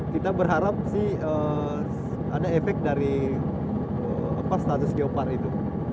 kita berharap sih ada efek dari status geopark itu